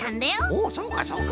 おそうかそうか。